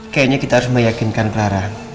kayaknya kita harus meyakinkan clara